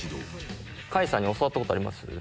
海さんに教わったことあります？